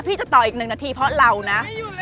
พี่จะต่ออีก๑นาทีเพราะเรานะ